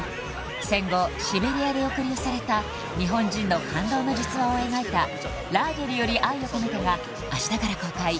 戦後シベリアで抑留された日本人の感動の実話を描いた「ラーゲリより愛を込めて」が明日から公開